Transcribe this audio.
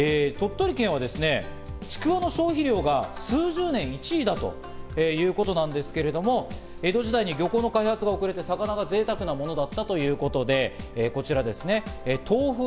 鳥取県はですね、ちくわの消費量が数十年、１位だということなんですけれども、江戸時代に漁港の開発が遅れて魚が贅沢なものだったということで、こちらですね。